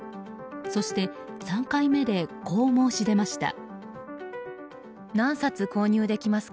そして３回目でこう申し出ました。